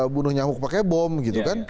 bunuh nyamuk pakai bom gitu kan